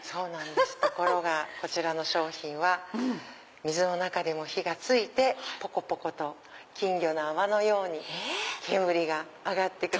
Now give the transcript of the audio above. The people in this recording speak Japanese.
ところがこちらの商品は水の中でも火が付いてポコポコと金魚の泡のように煙が上がって来る。